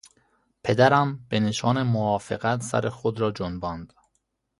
پدرم به نشان موافقت سر خود را جنباند.